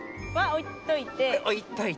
おいといて。